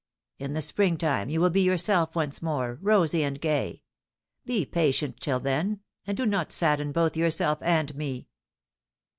In the springtime you will be yourself once more, rosy and gay. Be patient till then, and do not sadden both yourself and me.